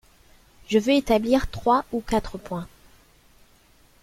Je veux établir trois ou quatre points.